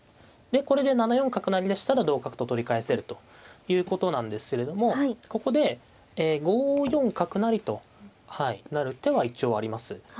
でこれで７四角成でしたら同角と取り返せるということなんですけれどもここで５四角成と成る手は一応あります。